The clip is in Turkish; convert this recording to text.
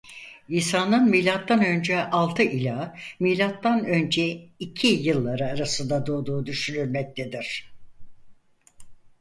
İsa'nın Milattan önce altı ila Milattan önce iki yılları arasında doğduğu düşünülmektedir.